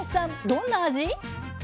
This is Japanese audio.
どんな味？